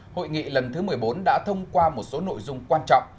hội nghị lần thứ một mươi bốn đã thông qua một số nội dung quan trọng